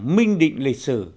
minh định lịch sử